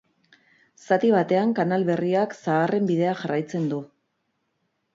Zati batean, kanal berriak, zaharraren bidea jarraitzen du.